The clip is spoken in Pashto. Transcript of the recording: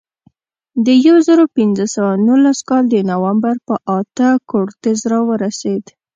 د یو زرو پینځه سوه نولس کال د نومبر په اتمه کورټز راورسېد.